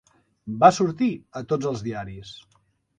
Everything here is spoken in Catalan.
Va sortir a tots els diaris.